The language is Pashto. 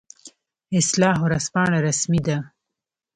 اصلاح ورځپاڼه رسمي ده